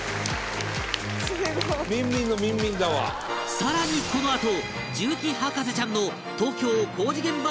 更にこのあと重機博士ちゃんの東京工事現場巡りにも密着！